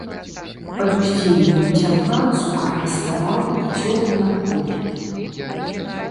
Пад уздзеяннем цяпла, цукар раставаў і цёк у напой.